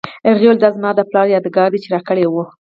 هغې وویل دا زما د پلار یادګار دی چې راکړی یې و